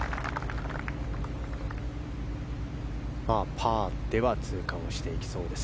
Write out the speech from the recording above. パーでは通過をしていきそうです。